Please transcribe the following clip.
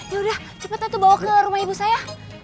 yaudah cepetan tuh bawa ke rumah ibu saya